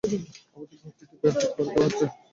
আমাদের ঘরে থেকে বের করে দেওয়া হচ্ছে।